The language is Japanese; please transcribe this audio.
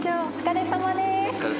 お疲れさまです。